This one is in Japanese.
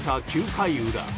９回裏。